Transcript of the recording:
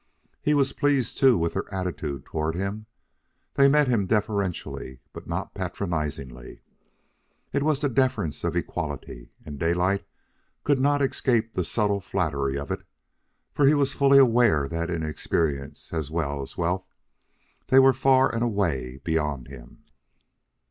He was pleased, too, with their attitude toward him. They met him deferentially, but not patronizingly. It was the deference of equality, and Daylight could not escape the subtle flattery of it; for he was fully aware that in experience as well as wealth they were far and away beyond him.